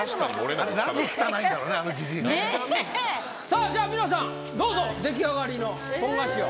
さぁじゃあ皆さんどうぞ出来上がりのポン菓子を。